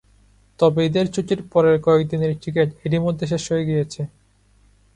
তবে ঈদের ছুটির পরের কয়েক দিনের টিকিট এরই মধ্যে শেষ হয়ে গিয়েছে।